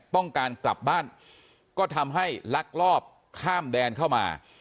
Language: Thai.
ต้องการกลับบ้านก็ทำให้ลักลอบข้ามแดนเข้ามา